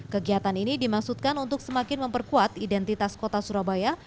kegiatan ini dimaksudkan untuk semakin memperkuat identitas kota surabaya